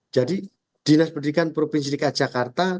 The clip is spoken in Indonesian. jadi dinas pendidikan provinsi dki jakarta